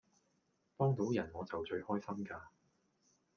幫倒人我就最開心㗎